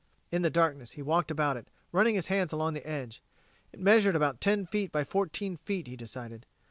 In the darkness he walked about it, running his hands along the edge. It measured about ten feet by fourteen feet, he decided.